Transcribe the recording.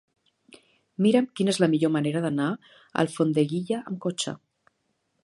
Mira'm quina és la millor manera d'anar a Alfondeguilla amb cotxe.